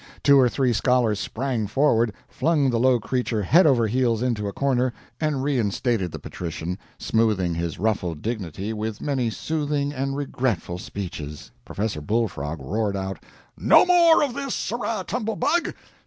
Two or three scholars sprang forward, flung the low creature head over heels into a corner, and reinstated the patrician, smoothing his ruffled dignity with many soothing and regretful speeches. Professor Bull Frog roared out: "No more of this, sirrah Tumble Bug!